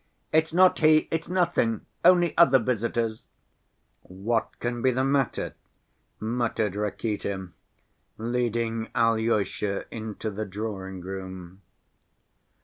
"It's not he, it's nothing, only other visitors." "What can be the matter?" muttered Rakitin, leading Alyosha into the drawing‐room.